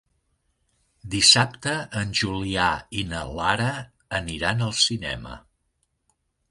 Dissabte en Julià i na Lara aniran al cinema.